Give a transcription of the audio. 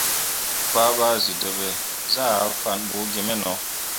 Fah ɓa zǝ deɓe zǝ ah fan bu gimeno.